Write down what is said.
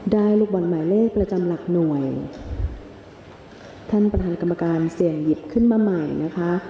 ลูกบอลหมายเลขประจำหลักหน่วยท่านประธานกรรมการเสี่ยงหยิบขึ้นมาใหม่นะคะ